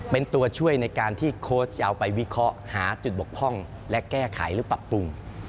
เป็นตัวช่วยในการที่โค้ชเอาไปวิเคราะห์หาจุดบกพร่องและแก้ไขหรือปรับปรุง